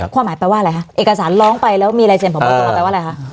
ความหมายแปลว่าอะไรคะเอกสารร้องไปแล้วมีลายเซ็นพบตรแปลว่าอะไรคะ